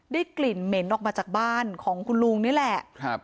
กลิ่นเหม็นออกมาจากบ้านของคุณลุงนี่แหละ